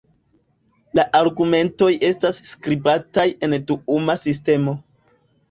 La argumentoj estas skribataj en duuma sistemo.